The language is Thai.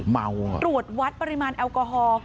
เมาอ่ะตรวจวัดปริมาณแอลกอฮอล์